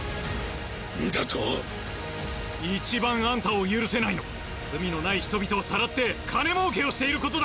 何だとっ一番あんたを許せないのは罪のない人々をさらって金もうけをしていることだ